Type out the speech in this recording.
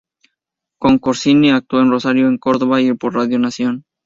Con Corsini actuó en Rosario, en Córdoba y por Radio Nación.